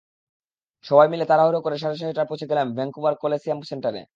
সবাই মিলে তাড়াহুড়া করে সাড়ে ছটায় পৌঁছে গেলাম ভ্যাঙ্কুভার কলেসিয়াম সেন্টারে।